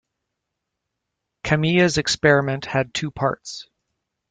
Kamiya's experiment had two parts.